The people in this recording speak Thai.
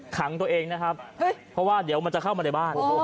ขังตัวเองนะครับเพราะว่าเดี๋ยวมันจะเข้ามาในบ้าน